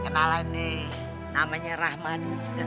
kenalan nih namanya rahman